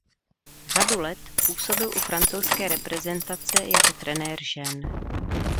Řadu let působil u francouzské reprezentace jako trenér žen.